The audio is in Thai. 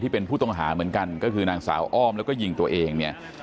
เป็นผู้ต้องหาเหมือนกันก็คือนางสาวอ้อมแล้วก็ยิงตัวเองเนี่ย